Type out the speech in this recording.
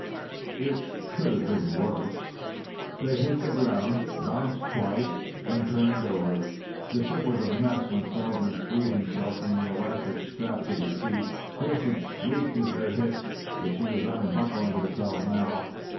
It could have been worse. They hit the ground, bounced twice, and turned over. The ship was a mess when Feldman freed himself from the elastic straps of the seat. Chris had shrieked as they hit, but she was unbuckling herself now.